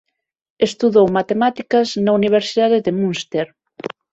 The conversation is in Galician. Estudou matemáticas na Universidade de Münster.